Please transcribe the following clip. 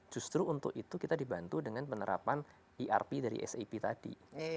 justru untuk itu kita dibantu dengan penerapan erp dari sap tadi